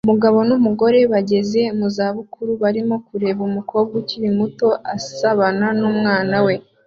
Umugabo n'umugore bageze mu zabukuru barimo kureba umukobwa ukiri muto asabana n'umwana we